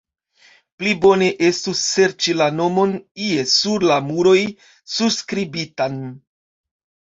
Pli bone estus serĉi la nomon ie sur la muroj surskribitan.